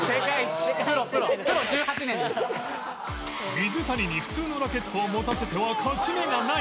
水谷に普通のラケットを持たせては勝ち目がない